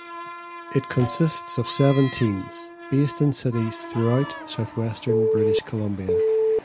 It consists of seven teams, based in cities throughout southwestern British Columbia.